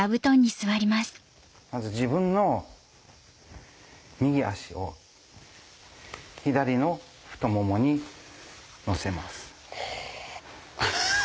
まず自分の右足を左の太ももに乗せます。